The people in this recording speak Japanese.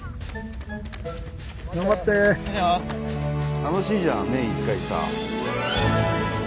楽しいじゃん年１回さ。